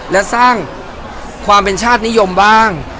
และสร้างความเป็นชาตินิยมบ้าง